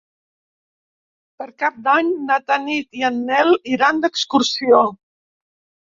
Per Cap d'Any na Tanit i en Nel iran d'excursió.